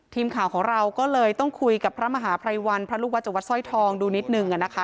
ทีมข่าวของเราก็เลยต้องคุยกับพระมหาภัยวันพระลูกวัดจากวัดสร้อยทองดูนิดนึงนะคะ